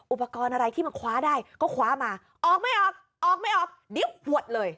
อุปกรณ์อะไรที่มันคว้าได้ก็คว้ามาออกไม่ออกออกไม่ออกเดี๋ยวหวดเลย